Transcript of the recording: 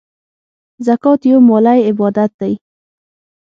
زکات یو مالی عبادت دی .